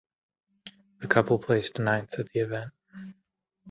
The couple placed ninth at the event.